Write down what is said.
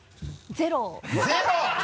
ゼロ！？